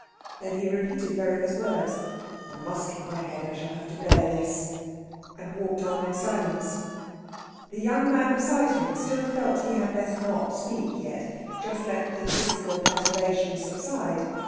Then he repeated Vereker's words, "I must keep my head. I shall have to bear this," and walked on again in silence. The young man beside him still felt he had best not speak yet. Just let the physical perturbation subside.